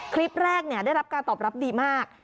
คลิปแรกได้รับการตอบรับดีมาก